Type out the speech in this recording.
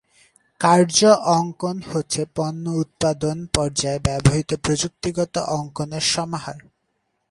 কার্য অঙ্কন হচ্ছে পণ্য উৎপাদন পর্যায়ে ব্যবহৃত প্রযুক্তিগত অঙ্কনের সমাহার।